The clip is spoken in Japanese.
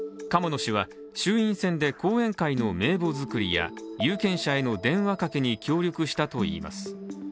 鴨野氏は衆院選で後援会の名簿づくりや有権者への電話かけに協力したといいます。